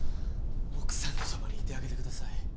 奥さんのそばにいてあげてください。